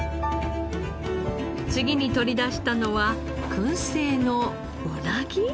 次に取り出したのは燻製のうなぎ！